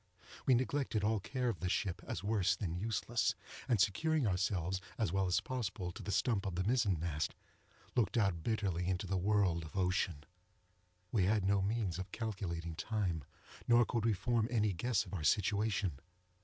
We neglected all care of the ship, as worse than useless, and securing ourselves, as well as possible, to the stump of the mizen mast, looked out bitterly into the world of ocean. We had no means of calculating time, nor could we form any guess of our situation.